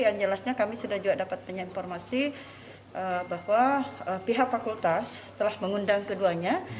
yang jelasnya kami sudah juga dapat punya informasi bahwa pihak fakultas telah mengundang keduanya